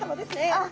あっ！